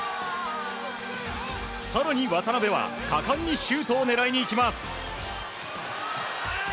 更に渡邊は果敢にシュートを狙いにいきます。